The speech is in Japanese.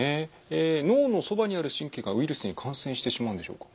脳のそばにある神経がウイルスに感染してしまうんでしょうか？